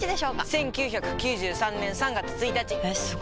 １９９３年３月１日！えすご！